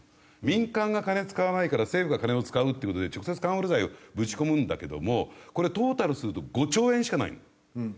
民間が金使わないから政府が金を使うっていう事で直接カンフル剤をぶち込むんだけどもトータルすると５兆円しかないの今回金使うのは。